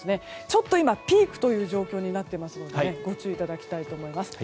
ちょっと今ピークという状況なのでご注意いただきたいと思います。